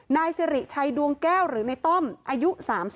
นายสิริชัยดวงแก้วหรือในต้อมอายุ๓๒